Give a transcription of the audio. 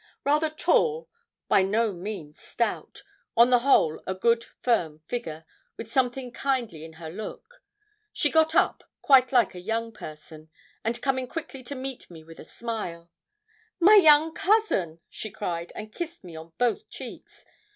Rather tall, by no means stout, on the whole a good firm figure, with something kindly in her look. She got up, quite like a young person, and coming quickly to meet me with a smile 'My young cousin!' she cried, and kissed me on both cheeks.